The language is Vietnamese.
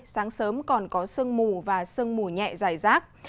sáng sớm còn có sương mù và sương mù nhẹ dài rác